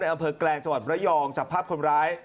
ในอันเผอกแกรงเจาะระยองจับภาพคนร้าย